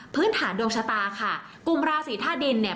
พื้นฐานดวงชะตาค่ะกลุ่มราศีท่าดินเนี่ย